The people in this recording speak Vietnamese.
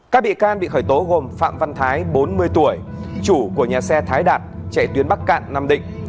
các bị can bị khởi tố gồm phạm văn thái bốn mươi tuổi chủ của nhà xe thái đạt chạy tuyến bắc cạn nam định